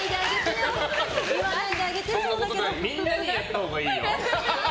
みんなにやったほうがいいよ。